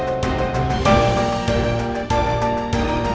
ncus udah siapin makan buat rena